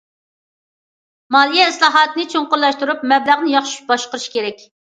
مالىيە ئىسلاھاتىنى چوڭقۇرلاشتۇرۇپ، مەبلەغنى ياخشى باشقۇرۇش كېرەك.